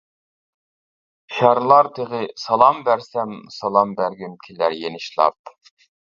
شارلار تېغى سالام بەرسەم سالام بەرگۈم كېلەر يېنىشلاپ.